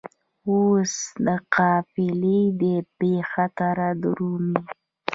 اوس قافلې دي بې خطره درومي